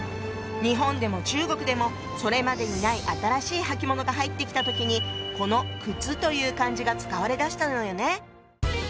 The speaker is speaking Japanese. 日本でも中国でもそれまでにない新しい履物が入ってきた時にこの「靴」という漢字が使われだしたのよね。